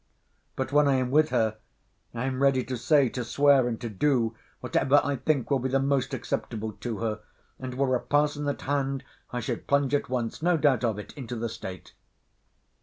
But when I am with her, I am ready to say, to swear, and to do, whatever I think will be the most acceptable to her, and were a parson at hand, I should plunge at once, no doubt of it, into the state.